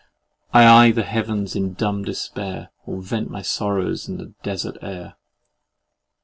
I eye the Heavens in dumb despair, or vent my sorrows in the desart air.